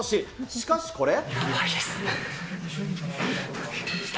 しかしこれ。